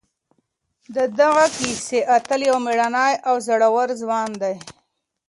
د دغې کیسې اتل یو مېړنی او زړور ځوان دی.